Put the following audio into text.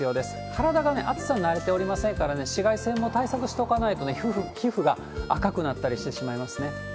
体が暑さに慣れておりませんからね、紫外線も対策しておかないとね、皮膚が赤くなったりしてしまいますね。